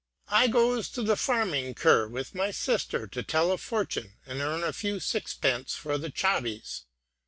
I goes to the farming ker with my sister, to tell a fortune, and earn a few sixpences for the chabés.